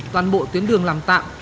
toàn bộ tuyến đường làm tạm